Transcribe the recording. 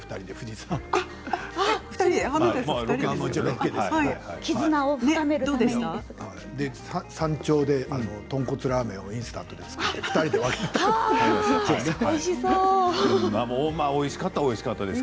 そして山頂で豚骨ラーメンをインスタントで作って２人で分け合いました。